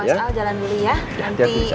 kita sama pak esal jalan dulu ya